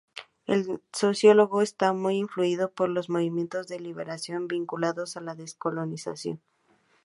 El sociólogo estaba muy influido por los movimientos de liberación vinculados a la descolonización.